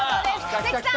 関さん。